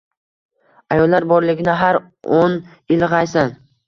Ayollar borligini har on ilg‘aysan.